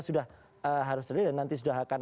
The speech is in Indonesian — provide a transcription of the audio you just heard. sudah harus real dan nanti sudah akan